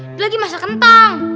itu lagi masak kentang